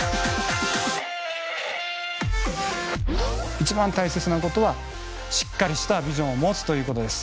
一番大切なことはしっかりしたビジョンを持つということです。